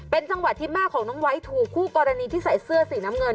จังหวะที่แม่ของน้องไว้ถูกคู่กรณีที่ใส่เสื้อสีน้ำเงิน